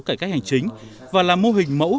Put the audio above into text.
cải cách hành chính và là mô hình mẫu